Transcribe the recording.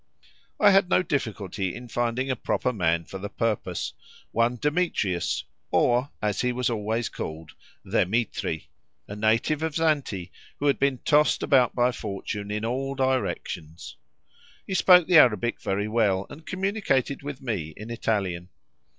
I had no difficulty in finding a proper man for the purpose—one Demetrius, or, as he was always called, Dthemetri, a native of Zante, who had been tossed about by fortune in all directions. He spoke the Arabic very well, and communicated with me in Italian.